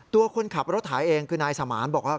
ตัวคนขับรถไถเองคือนายสมาร์นบอกว่า